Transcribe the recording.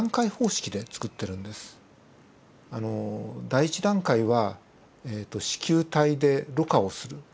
第１段階は糸球体でろ過をする。